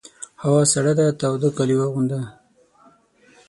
هوا سړه ده تاوده کالي واغونده!